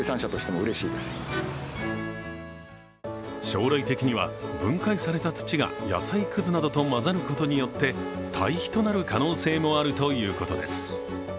将来的には分解された土が野菜くずなどと混ざることによって堆肥となる可能性もあるということです。